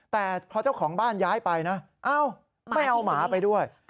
แต่พอเจ้าของบ้านย้ายไปนะไม่เอาหมาไปด้วย